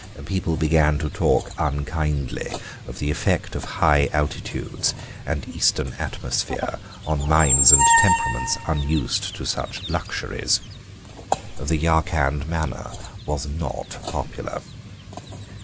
People began to talk unkindly of the effect of high altitudes and Eastern atmosphere on minds and temperaments unused to such luxuries. The Yarkand manner was not popular."